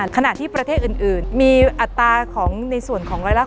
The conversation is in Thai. ขณะที่ประเทศอื่นมีอัตราในส่วนของรายละเอียด